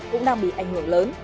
cũng đang bị ảnh hưởng lớn